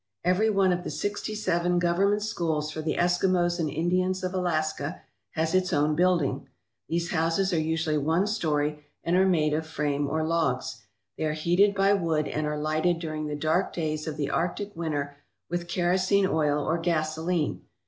Every one of the sixty seven government schools for the Eskimos and Indians of Alaska has its own building. These houses are usually one story, and are made of frame or logs. They are heated by wood and are lighted during the dark days of the Arctic winter with kero sene oil or gasolene.